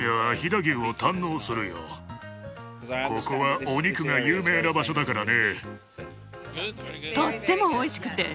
ここはお肉が有名な場所だからね。